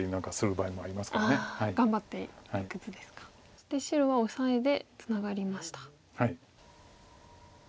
そして白はオサエでツナがりました。